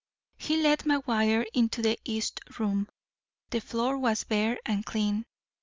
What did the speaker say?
He led McGuire into the east room. The floor was bare and clean.